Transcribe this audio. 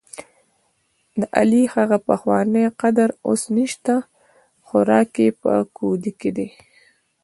دعلي هغه پخوانی قدر اوس نشته، خوراک یې په کودي کې دی.